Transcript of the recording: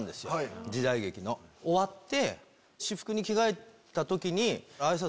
終わって。